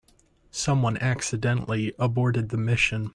Someone accidentally aborted the mission.